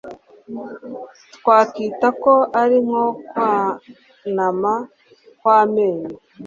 twakwita ko ari nko kwanama kw'amenyo